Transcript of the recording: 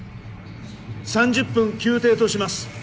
３０分休廷とします。